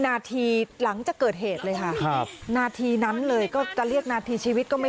มาละกิโกะนุงมาละกิโกะนุงกิจ๊ะกิมมา